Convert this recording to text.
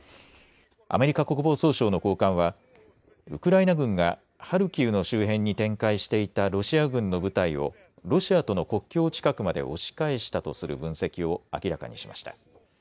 アメリカ国防総省の高官はウクライナ軍がハルキウの周辺に展開していたロシア軍の部隊をロシアとの国境近くまで押し返したとする分析を明らかにしました。